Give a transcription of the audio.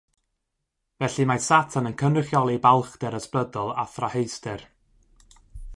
Felly mae Satan yn cynrychioli balchder ysbrydol a thrahauster.